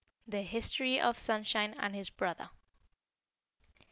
THE HISTORY OF SUNSHINE AND HIS BROTHER.